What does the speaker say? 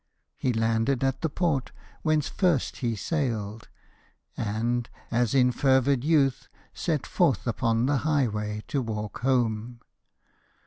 He landed at the port Whence first he sailed; and, as in fervid youth, Set forth upon the highway, to walk home.